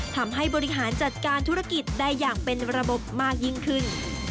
ทำให้บริหารจัดการธุรกิจได้อย่างเป็นระบบมากยิ่งขึ้น